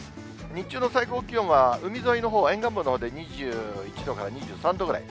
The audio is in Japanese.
日中の最高気温は海沿いのほう、沿岸部のほうで２１度から２３度ぐらい。